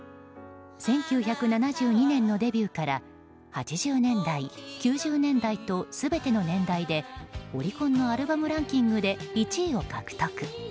１９７２年のデビューから８０年代、９０年代と全ての年代でオリコンのアルバムランキングで１位を獲得。